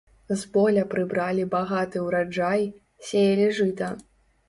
З поля прыбралі багаты ўраджай, сеялі жыта.